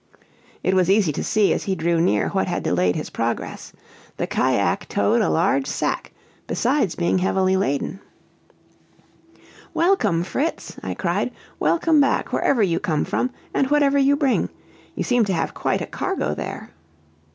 It was easy to see, as he drew near, what had delayed his progress. The cajack towed a large sack, besides being heavily laden. "Welcome, Fritz!" I cried. "Welcome back, wherever you come from, and whatever you bring. You seem to have quite a cargo there!"